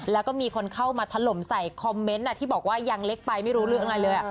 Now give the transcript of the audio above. แล้วก็มีคนเข้ามาถล่มใส่คอมเมนต์ที่บอกว่ายังเล็กไปไม่รู้เรื่องอะไรเลย